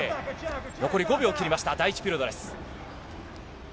残り５秒切りました、第１ピリオドです。